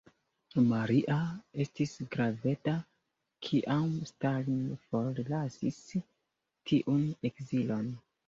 Maria estis graveda, kiam Stalin forlasis tiun ekzilon.